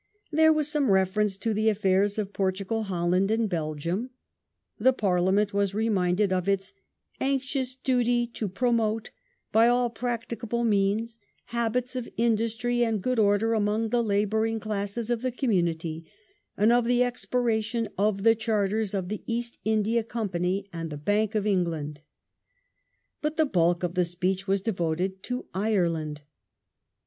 There was some reference to the affairs of Portugal, Holland, and Belgium ; the Parliament was reminded of its *' anxious duty to promote by all practicable means habits of industry and good order among the labouring classes of the com munity ; and of the expiration of the Charters of the East India Company and of the Bank of England ". But the bulk of the speech was devoted to Ireland.